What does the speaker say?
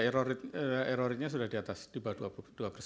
erornya sudah di atas di bawah dua puluh dua persen